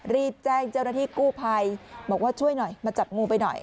รีบแจ้งเจ้าหน้าที่กู้ภัยบอกว่าช่วยหน่อยมาจับงูไปหน่อย